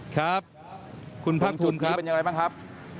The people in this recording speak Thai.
ครับคุณภาคภูมิครับเป็นอย่างไรบ้างครับ